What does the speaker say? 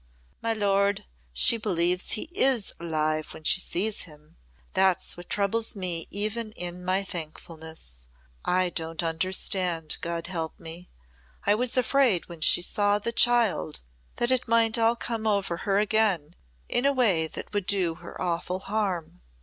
"My lord, she believes he is alive when she sees him. That's what troubles me even in my thankfulness. I don't understand, God help me! I was afraid when she saw the child that it might all come over her again in a way that would do her awful harm.